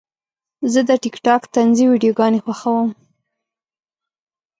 زه د ټک ټاک طنزي ویډیوګانې خوښوم.